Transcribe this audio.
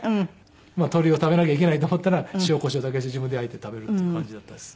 鶏を食べなきゃいけないと思ったら塩コショウだけして自分で焼いて食べるっていう感じだったです。